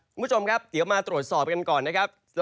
คุณผู้ชมครับเดี๋ยวมาตรวจสอบกันก่อนนะครับ